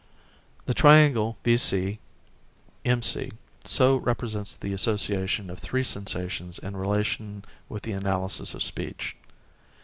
The triangle VC, MC, So represents the association of three sensations in relation with the analysis of speech.